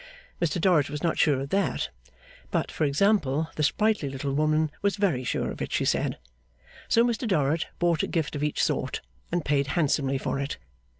Mr Dorrit was not sure of that. But, for example, the sprightly little woman was very sure of it, she said. So Mr Dorrit bought a gift of each sort, and paid handsomely for it.